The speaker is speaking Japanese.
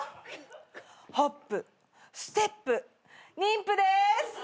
ホップステップ妊婦です。